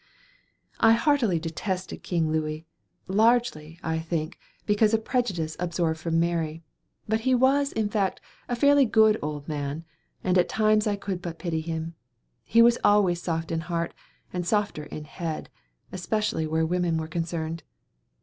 I heartily detested King Louis, largely, I think, because of prejudice absorbed from Mary, but he was, in fact, a fairly good old man, and at times I could but pity him. He was always soft in heart and softer in head, especially where women were concerned.